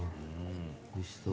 おいしそう。